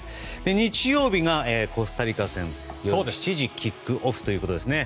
日曜日がコスタリカ戦夜７時キックオフということですね。